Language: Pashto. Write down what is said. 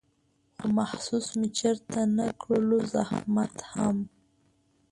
خو محسوس مې چېرته نه کړلو زحمت هم